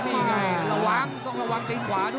ติดตามยังน้อยกว่า